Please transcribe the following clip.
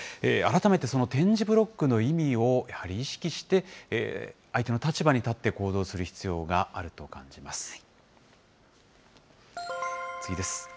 改めて、その点字ブロックの意味をやはり意識して、相手の立場に立って行動する必要があると感じます。